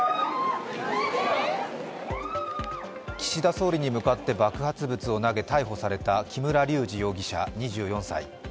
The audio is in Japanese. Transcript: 総理に向かって爆発物を投げ、逮捕された木村隆二容疑者２４歳。